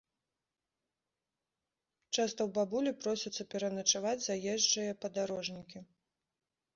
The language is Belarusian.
Часта ў бабулі просяцца пераначаваць заезджыя падарожнікі.